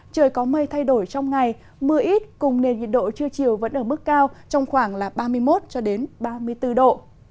trời có mây thay đổi trong ngày mưa ít cùng nền nhiệt độ trưa chiều vẫn ở mức cao trong khoảng ba mươi một ba mươi bốn độ